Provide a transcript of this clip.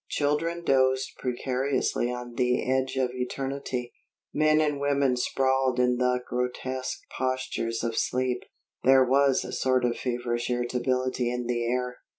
Children dozed precariously on the edge of eternity; men and women sprawled in the grotesque postures of sleep. There was a sort of feverish irritability in the air.